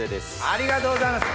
ありがとうございます。